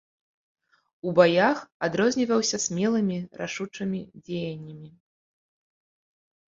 У баях адрозніваўся смелымі рашучымі дзеяннямі.